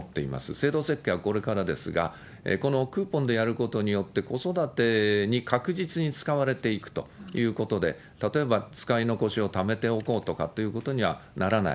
制度設計はこれからですが、このクーポンでやることによって、子育てに確実に使われていくということで、例えば使い残しをためておこうとかということにはならない。